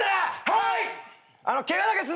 はい！